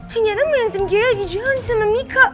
ternyata mansum gary lagi jalan sama mika